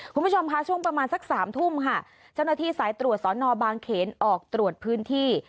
คุณผู้ชมค่ะช่วงประมาณสักสามทุ่มค่ะเจ้าหน้าที่สายตรวจสอนอบางเขนออกตรวจพื้นที่